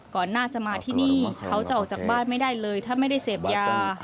ก่อนหน้าจะมาที่นี่เขาจะออกจากบ้านไม่ได้เลยถ้าไม่ได้เสพยา